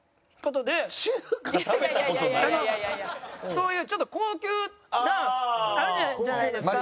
そういうちょっと高級なあるじゃないですか。